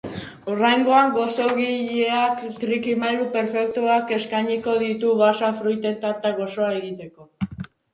Oraingoan, gozogileak trikimailu perfektuak eskainiko ditu basa-fruituen tarta goxoa egiteko.